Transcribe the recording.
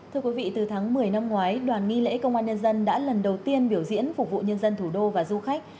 thưa quý vị từ tháng một mươi năm ngoái đoàn nghi lễ công an nhân dân đã lần đầu tiên biểu diễn phục vụ nhân dân thủ đô và du khách